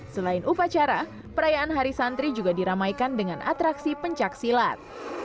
selain upacara perayaan hari santri juga diramaikan dengan atraksi pencaksilat